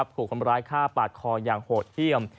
ถูกคนร้ายฆ่าปาดคออย่างโหดเยี่ยม